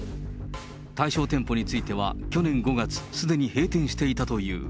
対象店舗については去年５月、すでに閉店していたという。